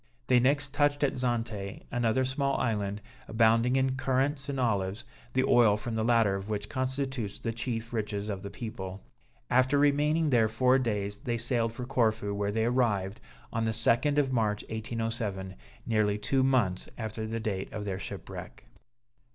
They next touched at Zante, another small island, abounding in currants and olives, the oil from the latter of which constitutes the chief riches of the people. After remaining there four days, they sailed for Corfu, where they arrived on the 2d of March 1807, nearly two months after the date of their shipwreck.